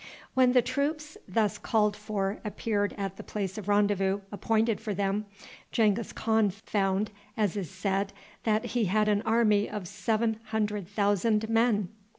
When the troops thus called for appeared at the place of rendezvous appointed for them, Genghis Khan found, as is said, that he had an army of seven hundred thousand men!